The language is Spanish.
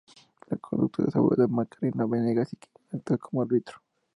La conductora es la abogada Macarena Venegas, quien actúa como árbitro.